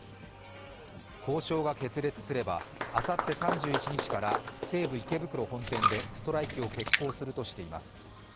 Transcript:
交渉が決裂すればあさって３１日から西武池袋本店でストライキを決行するとしています。